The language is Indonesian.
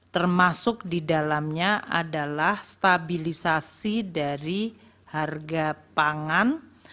termasuk di dalamnya adalah stabilisasi dari harga pangan